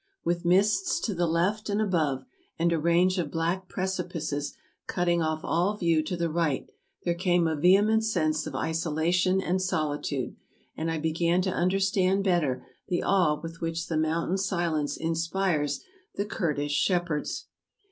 With mists to the left and above, and a range of black precipices cutting off all view to the right, there came a vehement sense of isolation and solitude, and I began to understand better the awe with which the mountain silence inspires the Kurdish shepherds.